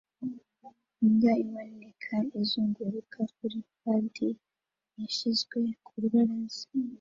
Imbwa iboneka izunguruka kuri padi yashyizwe ku rubaraza